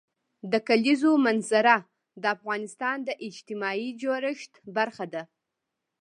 د کلیزو منظره د افغانستان د اجتماعي جوړښت برخه ده.